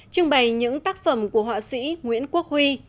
trưng bày những tác phẩm của họa sĩ nguyễn quốc huy